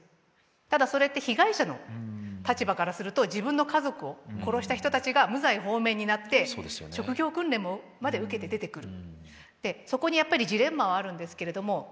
ただそれって被害者の立場からすると自分の家族を殺した人たちが無罪放免になって職業訓練まで受けて出てくる。